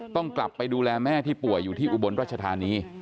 ต้องกลับไปดูแลแม่ที่ป่วยอยู่ที่อุบลรัชธานี